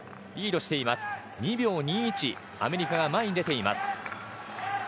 ２秒２１、アメリカが前に出ています。